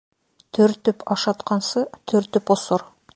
Төртөп ашатҡансы, төртөп осор.